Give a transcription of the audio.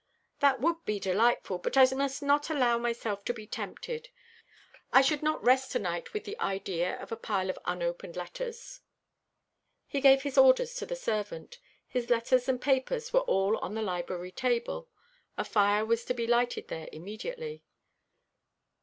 "That would be delightful, but I must not allow myself to be tempted. I should not rest to night with the idea of a pile of unopened letters." He gave his orders to the servant. His letters and papers were all on the library table. A fire was to be lighted there immediately.